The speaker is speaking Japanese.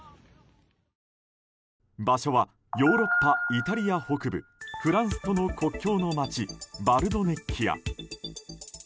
場所はヨーロッパ、イタリア北部フランスとの国境の町バルドネッキア。